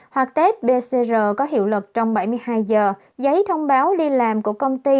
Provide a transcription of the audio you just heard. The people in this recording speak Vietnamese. hoặc test pcr có hiệu lực trong bảy mươi hai giờ giấy thông báo đi làm của công ty